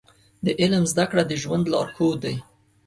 د علم زده کړه د ژوند لارښود دی.